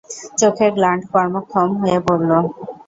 চোখের গ্ল্যাণ্ড কর্মক্ষম হয়ে পড়ল।